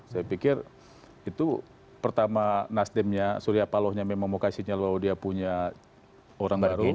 saya pikir itu pertama nasdem nya surya paloh nya memang mau kasih nyal bahwa dia punya orang baru